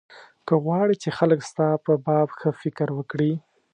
که غواړې چې خلک ستا په باب ښه فکر وکړي.